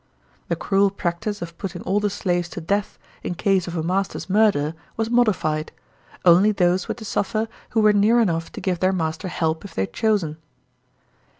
The cruel practice of putting all the slaves to death in case of a master's murder was modified; only those were to suffer who were near enough to give their master help if they had chosen.